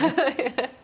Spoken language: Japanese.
ハハハハ！